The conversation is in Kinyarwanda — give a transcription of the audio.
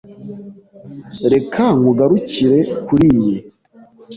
Reka nkugarukire kuriyi.